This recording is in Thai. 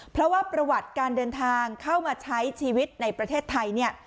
เพราะว่าประวัติการเดินทางเข้ามาใช้ชีวิตในประเทศไทยเนี่ย